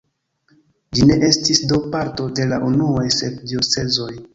Ĝi ne estis do parto de la unuaj sep diocezoj.